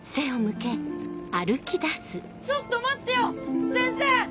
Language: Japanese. ちょっと待ってよ先生！